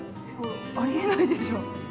あり得ないでしょねえ